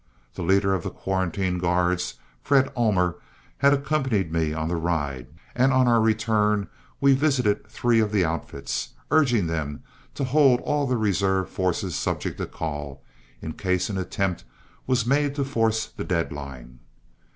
The leader of the quarantine guards, Fred Ullmer, had accompanied me on the ride, and on our return we visited three of the outfits, urging them to hold all their reserve forces subject to call, in case an attempt was made to force the dead line.